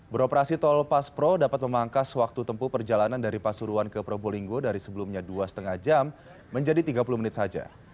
beroperasi tol paspro dapat memangkas waktu tempuh perjalanan dari pasuruan ke probolinggo dari sebelumnya dua lima jam menjadi tiga puluh menit saja